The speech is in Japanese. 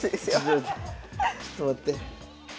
ちょっと待って。